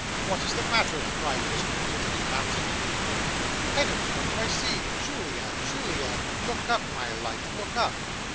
'What is the matter?' cried Mr. Wititterly, bouncing into the room. 'Heavens, what do I see? Julia! Julia! look up, my life, look up!